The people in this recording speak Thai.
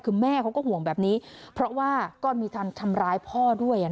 คือแม่เขาก็ห่วงแบบนี้เพราะว่าก็มีทันทำร้ายพ่อด้วย